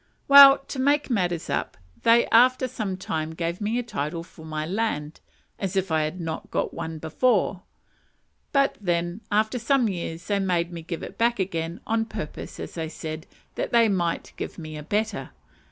Well, to make matters up, they after some time gave me a title for my land (as if I had not one before); but then, after some years, they made me give it back again, on purpose, as they said, that they might give me a better!